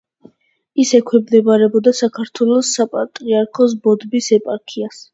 ის ექვემდებარებოდა საქართველოს საპატრიარქოს ბოდბის ეპარქიას.